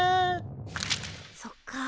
そっか。